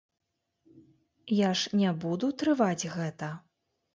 Я ж не буду трываць гэта.